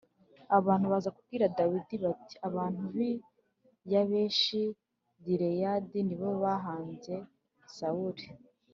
Abantu baza kubwira dawidi bati abantu b i yabeshi gileyadi ni bo bahambye sawuli